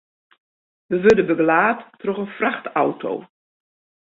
We wurde begelaat troch in frachtauto.